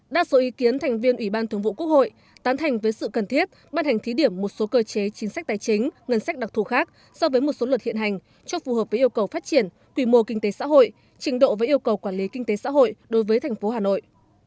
đa số ý kiến thành viên ủy ban thường vụ quốc hội tán thành với sự cần thiết ban hành thí điểm một số cơ chế chính sách tài chính ngân sách đặc thù khác so với một số luật hiện hành cho phù hợp với yêu cầu phát triển quỷ mô kinh tế xã hội trình độ và yêu cầu quản lý kinh tế xã hội đối với thành phố hà nội